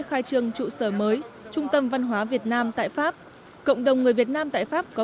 khai trương trụ sở mới trung tâm văn hóa việt nam tại pháp cộng đồng người việt nam tại pháp có